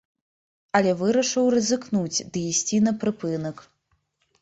Але вырашыў рызыкнуць ды ісці на прыпынак.